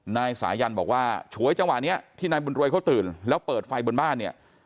นายสายันบอกว่าฉวยจังหวะนี้ที่นายบุญรวยเขาตื่นแล้วเปิดไฟบนบ้านเนี่ย